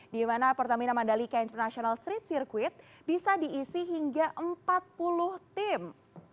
dimana pertamina madalika international street circuit bisa diisi hingga empat puluh tim